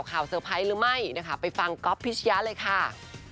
เซอร์ไพรส์หรือไม่นะคะไปฟังก๊อฟพิชยะเลยค่ะ